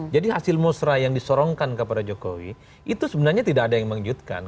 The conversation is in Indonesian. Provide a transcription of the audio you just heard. jadi hasil musra yang disorongkan kepada jokowi itu sebenarnya tidak ada yang mengejutkan